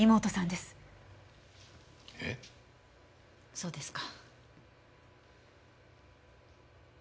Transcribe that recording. そうですか。